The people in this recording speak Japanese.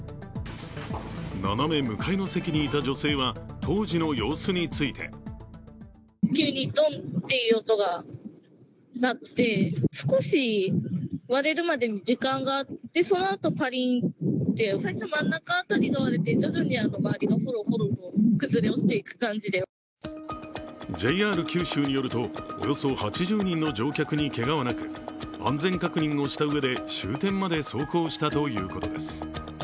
斜め向かいの席にいた女性は当時の様子についてＪＲ九州によると、およそ８０人の乗客にけがはなく安全確認をしたうえで終点まで走行したということです。